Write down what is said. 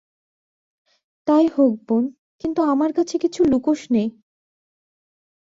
তাই হোক বোন, কিন্তু আমার কাছে কিছু লুকোস নে।